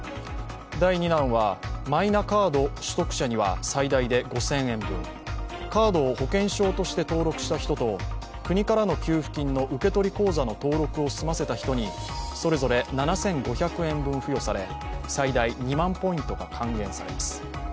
第２弾は、マイナカード取得者には最大５０００円分カードを保険証として登録した人と国からの給付金の受取口座の登録を済ませた人にそれぞれ７５００円分付与され、最大２万ポイントが還元されます。